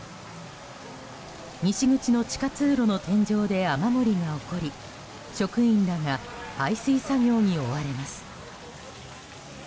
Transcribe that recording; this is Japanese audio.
西口の地下通路の天井で雨漏りが起こり職員らが排水作業に追われます。